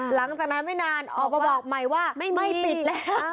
หลังจากนั้นไม่นานออกมาบอกใหม่ว่าไม่ปิดแล้ว